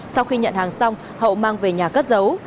sau khi nhận hàng xong hậu mang về nhà cất giấu